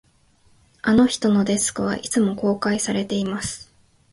あの人のデスクは、いつも公開されています